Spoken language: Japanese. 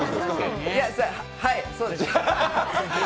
はい、そうです。